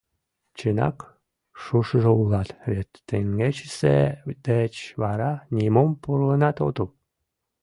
Чынак шужышо улат, вет теҥгечысе деч вара нимом пурлынат отыл.